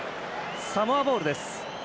サモアボールです。